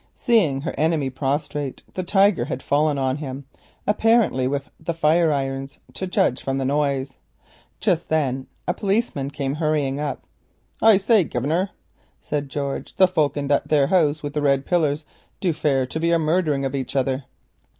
Seeing her enemy prostrate the Tiger had fallen on him, with the fire irons to judge from the noise. Just then a policeman hurried up. "I say, master," said George, "the folk in that there house with the red pillars do fare to be a murdering of each other."